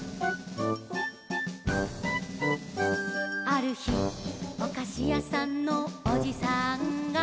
「あるひおかしやさんのおじさんが」